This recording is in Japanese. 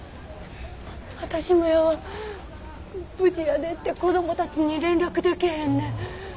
無事やでって子供たちに連絡でけへんね。